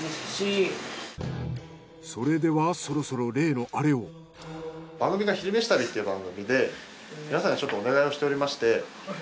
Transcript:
それではそろそろ番組が「昼めし旅」という番組で皆さんにちょっとお願いをしておりまして。